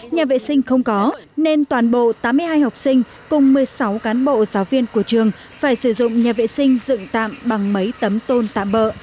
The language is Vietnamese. nhà vệ sinh không có nên toàn bộ tám mươi hai học sinh cùng một mươi sáu cán bộ giáo viên của trường phải sử dụng nhà vệ sinh dựng tạm bằng mấy tấm tôn tạm bỡ